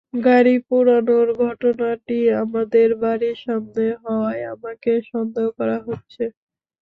গাড়ি পোড়ানোর ঘটনাটি আমাদের বাড়ির সামনে হওয়ায় আমাকে সন্দেহ করা হচ্ছে।